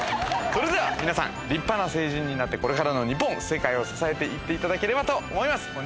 それでは皆さん立派な成人になってこれからの日本世界を支えて行っていただければと思います。